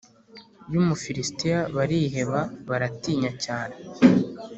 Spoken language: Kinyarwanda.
y’Umufilisitiya bariheba, baratinya cyane.